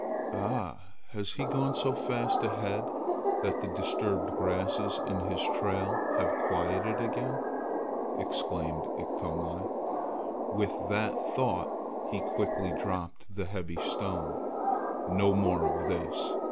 "Ah, has he gone so fast ahead that the disturbed grasses in his trail have quieted again?" exclaimed Iktomi. With that thought he quickly dropped the heavy stone. "No more of this!"